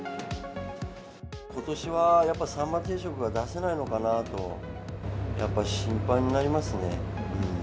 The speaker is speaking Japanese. ことしはやっぱ、サンマ定食は出せないのかなと、やっぱり心配になりますね。